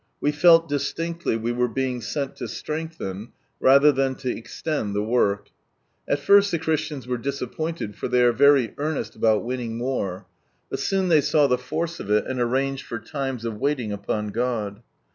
We felt distinctly, ; being sent to strengthen rather than lo extend the work. At first the ■e disappointed, for they are very earnest about winning more, but soon they saw the force of it, and arranged for limes of waiting upon God.